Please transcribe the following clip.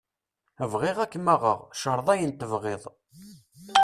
Bɣiɣ ad k-maɣeɣ, creḍ ayen tebɣiḍ.